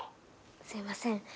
すいません